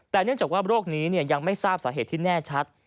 แต่เนื่องจากว่าโรคนี้ยังไม่ทราบสาเหตุที่แน่ชัด